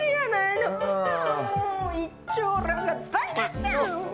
もう一張羅が台なしや。